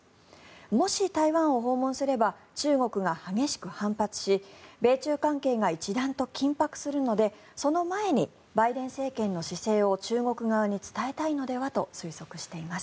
もし台湾を訪問すれば中国が激しく反発し米中関係が一段と緊迫するのでその前にバイデン政権の姿勢を中国側に伝えたいのではと推測しています。